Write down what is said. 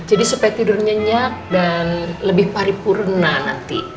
jadi supaya tidurnya nyak dan lebih paripurna nanti